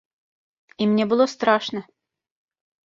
І мне было страшна!